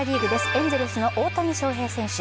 エンゼルスの大谷翔平選手。